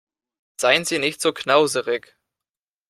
Seien Sie nicht so knauserig!